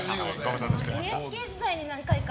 ＮＨＫ時代に何回か。